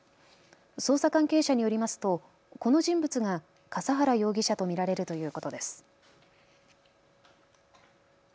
捜査関係者によりますとこの人物が笠原容疑者と見られるということです。